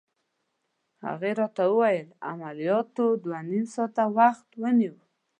هغې راته وویل: عملياتو دوه نيم ساعته وخت ونیو.